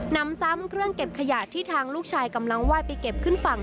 นำซ้ำเครื่องเก็บขยะที่ทางลูกชายกำลังไหว้ไปเก็บขึ้นฝั่ง